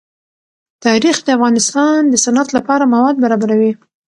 تاریخ د افغانستان د صنعت لپاره مواد برابروي.